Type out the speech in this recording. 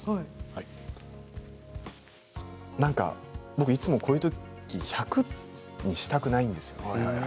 僕こういうとき１００にしたくないんですよ。